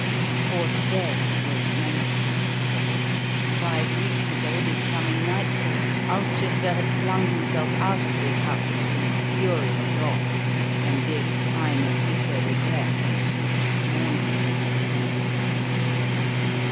For to day was memorable. Five weeks ago this coming nightfall Ulchester had flung himself out of this house in a fury of wrath, and this time of bitter regret and ceaseless mourning had begun.